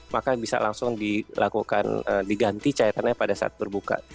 maka bisa langsung dilakukan diganti cairannya pada saat berbuka